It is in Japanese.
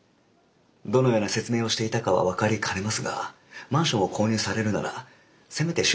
どのような説明をしていたかは分かりかねますがマンションを購入されるならせめて周辺環境管理状況